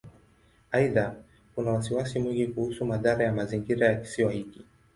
Aidha, kuna wasiwasi mwingi kuhusu madhara ya mazingira ya Kisiwa hiki.